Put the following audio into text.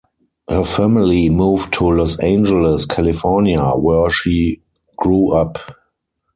Her family moved to Los Angeles, California, where she grew up.